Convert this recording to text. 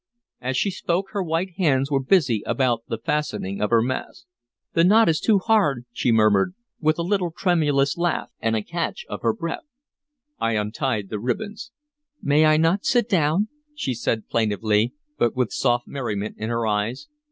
As she spoke, her white hands were busy about the fastening of her mask. "The knot is too hard," she murmured, with a little tremulous laugh and a catch of her breath. I untied the ribbons. "May I not sit down?" she said plaintively, but with soft merriment in her eyes.